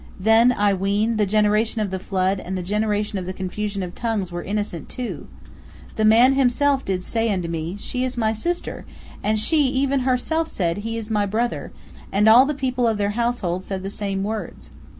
Then, I ween, the generation of the flood and the generation of the confusion of tongues were innocent, too! The man himself did say unto me, She is my sister, and she, even she herself said, He is my brother, and all the people of their household said the same words."